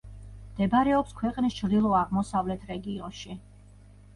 მდებარეობს ქვეყნის ჩრდილო-აღმოსავლეთ რეგიონში.